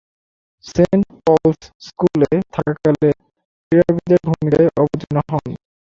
Saint Paul's স্কুলে থাকাকালে ক্রীড়াবিদের ভূমিকায় অবতীর্ণ হন।